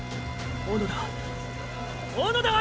小野田は？